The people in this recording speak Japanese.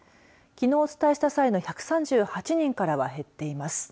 きのうお伝えした際の１３８人からは減っています。